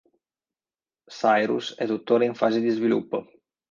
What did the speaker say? Cyrus è tuttora in fase di sviluppo.